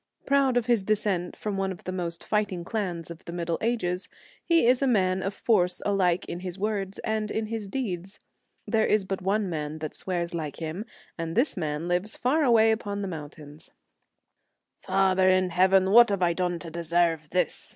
Proud of his descent from one of the most fighting clans of the Middle Ages, he is a man of force alike in his words and in his deeds. There is but one man that swears like him, and this man lives far away upon the mountain. ' Father in heaven, what have I done to deserve this